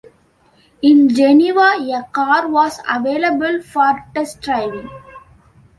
In Geneva a car was available for test driving.